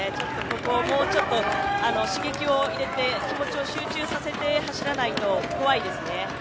ここはもうちょっと刺激を入れて、気持ちを集中させて走らないと怖いですね。